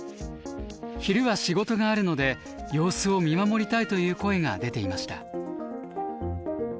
昼は仕事があるので様子を見守りたいという声が出ていました。